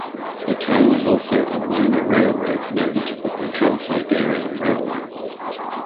The town is also a minor railroad node of the Trans-Siberian Railway.